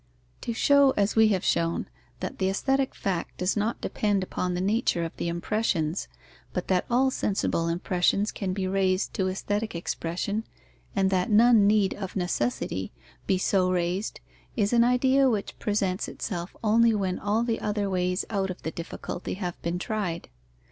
To show, as we have shown, that the aesthetic fact does not depend upon the nature of the impressions, but that all sensible impressions can be raised to aesthetic expression and that none need of necessity be so raised, is an idea which presents itself only when all the other ways out of the difficulty have been tried.